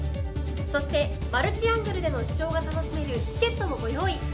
そしてマルチアングルでの視聴が楽しめるチケットもご用意。